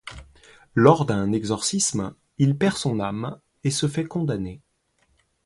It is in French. Lors d'un exorcisme, il perd son âme et se fait condamner.